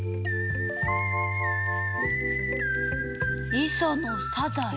「いそのサザエ」？